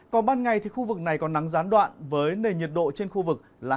còn ban ngày thì khu vực này có nắng gián đoạn với nền nhiệt độ trên khu vực là hai mươi ba ba mươi bốn độ